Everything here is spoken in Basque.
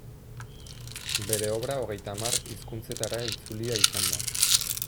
Bere obra hogeita hamar hizkuntzetara itzulia izan da.